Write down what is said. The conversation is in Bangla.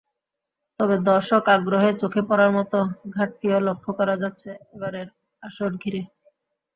তবে দর্শক–আগ্রহে চোখে পড়ার মতো ঘাটতিও লক্ষ করা যাচ্ছে এবারের আসর ঘিরে।